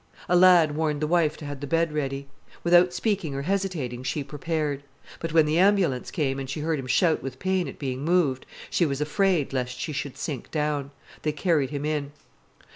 A lad warned the wife to have the bed ready. Without speaking or hesitating she prepared. But when the ambulance came, and she heard him shout with pain at being moved, she was afraid lest she should sink down. They carried him in.